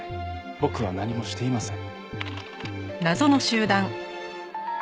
僕は何もしていません。